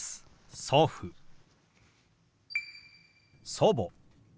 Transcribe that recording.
「祖母」。